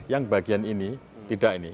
yang bagian ini tidak ini